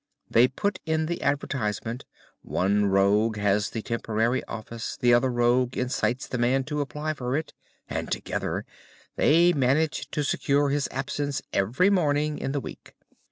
They put in the advertisement, one rogue has the temporary office, the other rogue incites the man to apply for it, and together they manage to secure his absence every morning in the week.